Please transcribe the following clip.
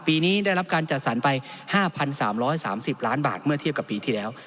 ปีนี้ได้รับการจัดสรรไป๕๓๓๐ล้านบาทเมื่อเทียบกับปีที่แล้ว